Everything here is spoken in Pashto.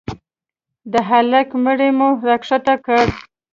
د هلك مړى مو راکښته کړ.